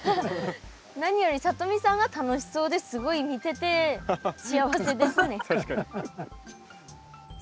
何よりさとみさんが楽しそうですごい見てて幸せですね。